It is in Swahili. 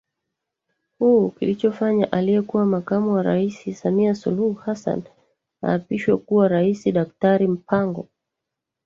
huu kilichofanya aliyekuwa Makamu wa Rais Samia Suluhu Hassan aapishwe kuwa RaisDaktari Mpango